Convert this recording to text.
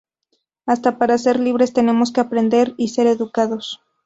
Hasta para ser libres tenemos que aprender y ser educados.